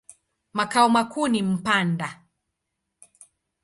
Makao makuu ni Mpanda.